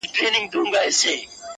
که هرڅو صاحب د علم او کمال یې,